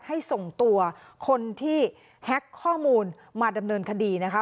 ส่งตัวคนที่แฮ็กข้อมูลมาดำเนินคดีนะคะ